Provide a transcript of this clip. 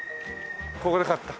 ここで買った。